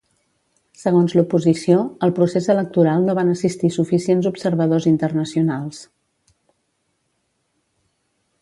Segons l'oposició, al procés electoral no van assistir suficients observadors internacionals.